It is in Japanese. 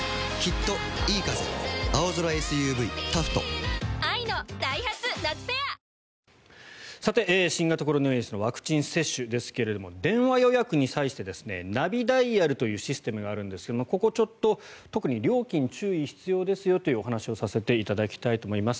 こうやって急に前倒しになってしまいますと新型コロナウイルスのワクチン接種ですが電話予約に対してナビダイヤルというシステムがあるんですがここ、ちょっと特に料金注意が必要ですよというお話をさせていただきたいと思います。